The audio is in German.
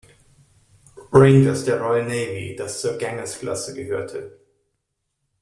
Ranges der Royal Navy, das zur "Ganges"-Klasse gehörte.